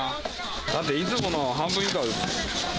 だっていつもの半分以下です